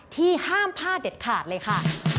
ที่ห้ามพลาดเด็ดขาดเลยค่ะ